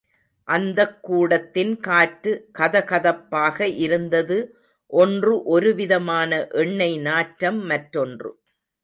அந்தக் கூடத்தின் காற்று கதகதப்பாக இருந்தது ஒன்று ஒருவிதமான எண்ணெய் நாற்றம் மற்றொன்று.